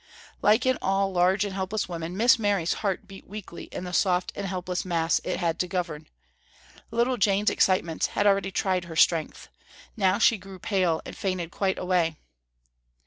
Like in all large and helpless women, Miss Mary's heart beat weakly in the soft and helpless mass it had to govern. Little Jane's excitements had already tried her strength. Now she grew pale and fainted quite away.